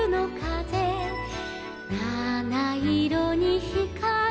「なないろにひかる」